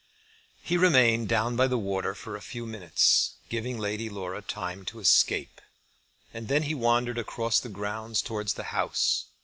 He remained down by the water for a few minutes, giving Lady Laura time to escape, and then he wandered across the grounds towards the house.